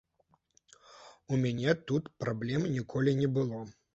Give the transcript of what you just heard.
У мяне тут праблем ніколі не было.